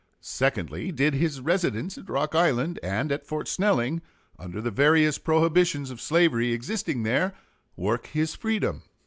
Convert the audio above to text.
Secondly, Did his residence at Rock Island and at Fort Snelling, under the various prohibitions of slavery existing there, work his freedom?